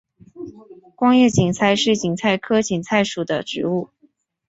光叶堇菜是堇菜科堇菜属的植物。